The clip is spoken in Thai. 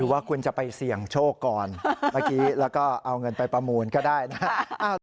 ว่าคุณจะไปเสี่ยงโชคก่อนเมื่อกี้แล้วก็เอาเงินไปประมูลก็ได้นะ